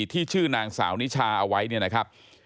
ที่ชื่อนางสาวนิชาเอาไว้เนี่ยนะครับ